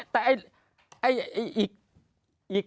แต่อีก